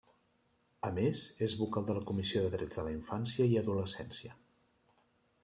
A més, és vocal de la Comissió de Drets de la Infància i Adolescència.